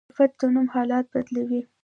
صفت د نوم حالت بدلوي.